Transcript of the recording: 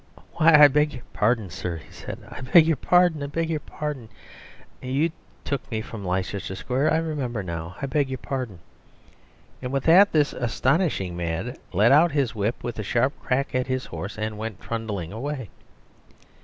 "Why, I beg your pardon, sir," he said. "I beg your pardon. I beg your pardon. You took me from Leicester square. I remember now. I beg your pardon." And with that this astonishing man let out his whip with a sharp crack at his horse and went trundling away.